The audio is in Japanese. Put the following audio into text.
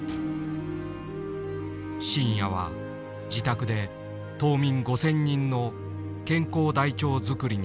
深夜は自宅で島民５，０００人の健康台帳作りに励んだ。